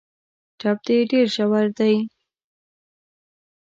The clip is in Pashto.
ټپ دي ډېر ژور دی .